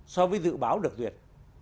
so với dự báo được duyệt